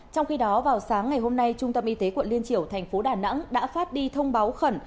trong khi đó vào sáng ngày hôm nay trung tâm y tế quận liên triểu thành phố đà nẵng đã phát đi thông báo khẩn